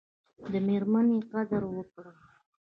د میرمني قدر وکړئ